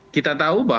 kita tahu bahwa